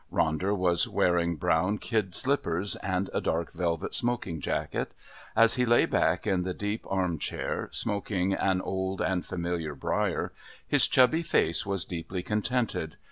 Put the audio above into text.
Ronder was wearing brown kid slippers and a dark velvet smoking jacket. As he lay back in the deep arm chair, smoking an old and familiar briar, his chubby face was deeply contented.